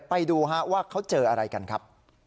ไปดูว่าเขาเจออะไรกันครับ